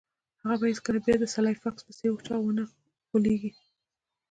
هغه به هیڅکله بیا د سلای فاکس په څیر چا ونه غولیږي